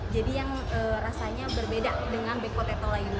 jadi yang rasanya berbeda dengan beko teto lainnya